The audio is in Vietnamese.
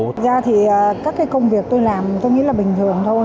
thật ra thì các công việc tôi làm tôi nghĩ là bình thường thôi